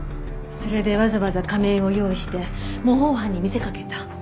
それでわざわざ仮面を用意して模倣犯に見せかけた。